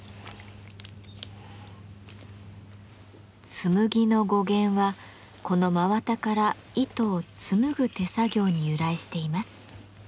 「紬」の語源はこの真綿から糸を紡ぐ手作業に由来しています。